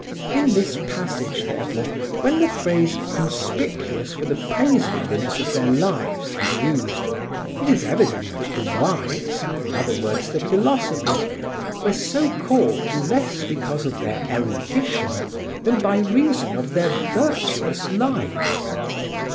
In this passage, therefore, when the phrase "conspicuous for the praiseworthiness of their lives" is used, it is evident that the wise, in other words the philosophers, were so called less because of their erudition than by reason of their virtuous lives.